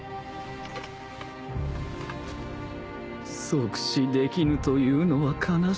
即死できぬというのは悲しいのう。